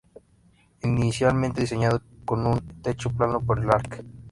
Inicialmente diseñado con un techo plano por el Arq.